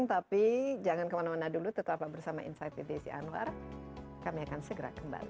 tapi jangan kemana mana dulu tetap bersama insight with desi anwar kami akan segera kembali